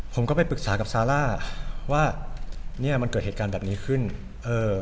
ผมก็ไปปรึกษากับซาร่าว่าเนี้ยมันเกิดเหตุการณ์แบบนี้ขึ้นเออ